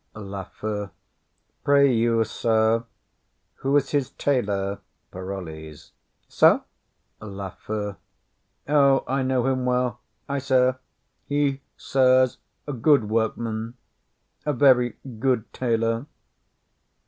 LAFEW. Pray you, sir, who's his tailor? PAROLLES. Sir! LAFEW. O, I know him well, I, sir; he, sir, is a good workman, a very good tailor.